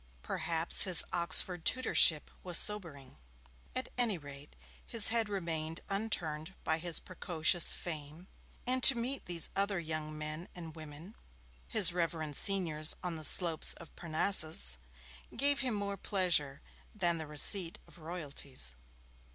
Perhaps his Oxford tutorship was sobering. At any rate his head remained unturned by his precocious fame, and to meet these other young men and women his reverend seniors on the slopes of Parnassus gave him more pleasure than the receipt of 'royalties'.